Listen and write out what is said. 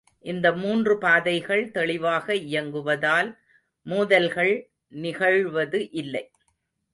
இந்த மூன்று பாதைகள் தெளிவாக இயங்குவதால் மோதல்கள் நிகழ்வது இல்லை.